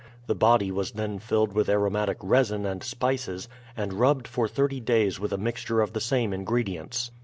The body was then filled with aromatic resin and spices, and rubbed for thirty days with a mixture of the same ingredients.